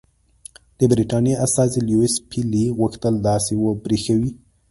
د برټانیې استازي لیویس پیلي غوښتل داسې وبرېښوي.